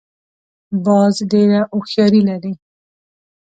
باز ډېره هوښیاري لري